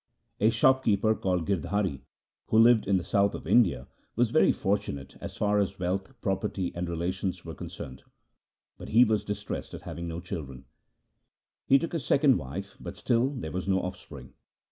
1 A shopkeeper called Girdhari, who lived in the south of India, was very fortunate as far as wealth, property, and relations were concerned, but he was distressed at having no children. He took a second wife, but still there was no offspring.